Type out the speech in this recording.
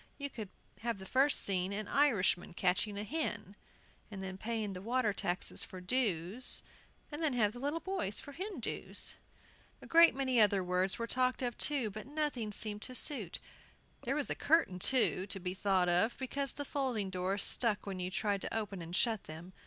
You could have the first scene an Irishman catching a hen, and then paying the water taxes for "dues," and then have the little boys for Hindoos. A great many other words were talked of, but nothing seemed to suit. There was a curtain, too, to be thought of, because the folding doors stuck when you tried to open and shut them.